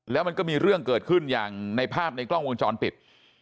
แล้วมันก็มีเรื่องเกิดขึ้นอย่างในภาพในกล้องวงจรปิด